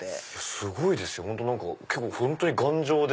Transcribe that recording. すごいですよ結構本当に頑丈で。